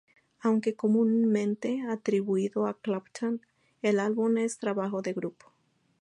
Aunque comúnmente atribuido a Clapton, el álbum es un trabajo de grupo.